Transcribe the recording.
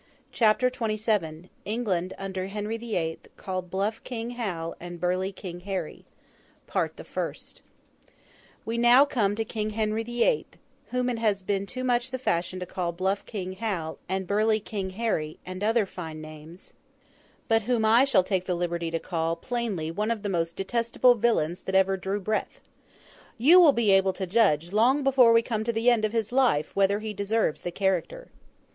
CHAPTER XXVII ENGLAND UNDER HENRY THE EIGHTH, CALLED BLUFF KING HAL AND BURLY KING HARRY PART THE FIRST We now come to King Henry the Eighth, whom it has been too much the fashion to call 'Bluff King Hal,' and 'Burly King Harry,' and other fine names; but whom I shall take the liberty to call, plainly, one of the most detestable villains that ever drew breath. You will be able to judge, long before we come to the end of his life, whether he deserves the character.